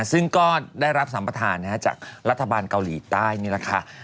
ซึ่งก็ได้รับสัมประธานจากรัฐบาลเกาหลีใต้นี่แหละค่ะ